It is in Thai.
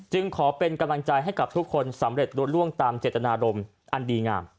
ขอเป็นกำลังใจให้กับทุกคนสำเร็จรวดล่วงตามเจตนารมณ์อันดีงาม